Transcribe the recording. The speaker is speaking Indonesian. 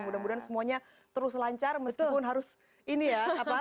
mudah mudahan semuanya terus lancar meskipun harus ini ya